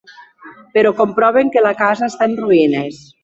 Però comproven que la casa està en ruïnes.